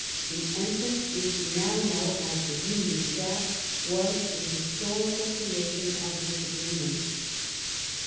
The ensign which we now know as the Union Jack was the historical creation of this agreement.